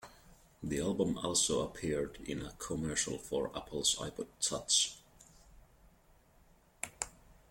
The album also appeared in a commercial for Apple's iPod touch.